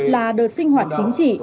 là đợt sinh hoạt chính trị